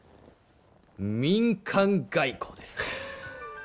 民間外交です。